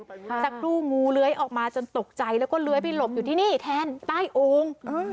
สักครู่งูเลื้อยออกมาจนตกใจแล้วก็เลื้อยไปหลบอยู่ที่นี่แทนใต้โอ่ง